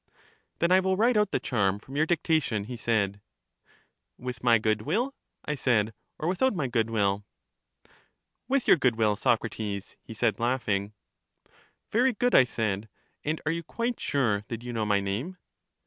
Then I will write out the charm from your dicta tion, he said. With my good will? I said, or without my good will? With your good will, Socrates, he said, laughing. Very good, I said; and are you quite sure that you know my name?